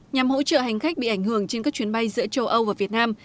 nhằm hỗ trợ hành khách bị ảnh hưởng trên các chuyến bay giữa châu âu và việt nam